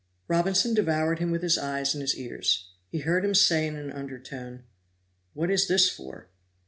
Robinson devoured him with his eyes and his ears. He heard him say in an undertone: "What is this for?"